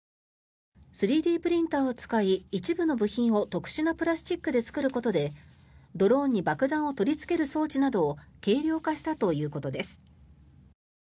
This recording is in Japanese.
３Ｄプリンターを使い一部の部品を特殊なプラスチックで作ることでドローンに爆弾を取りつける装置などを軽量化したということです。